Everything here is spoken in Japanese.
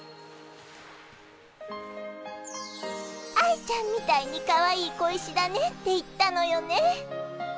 愛ちゃんみたいにかわいい小石だねって言ったのよね。